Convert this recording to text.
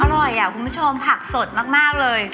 อร่อยคุณผู้ชมผักสดมากเลย